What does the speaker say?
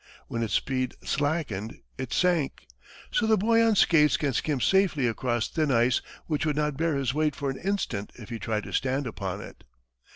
When its speed slackened, it sank. So the boy on skates can skim safely across thin ice which would not bear his weight for an instant if he tried to stand upon it.